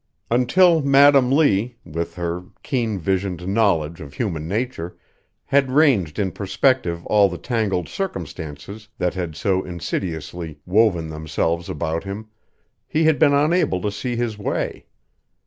Until Madam Lee, with her keen visioned knowledge of human nature, had ranged in perspective all the tangled circumstances that had so insidiously woven themselves about him, he had been unable to see his way.